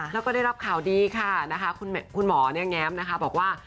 แล้วก็ได้รับข่าวดีค่ะนะคะคุณหมอเนี่ยแง้มนะคะบอกว่า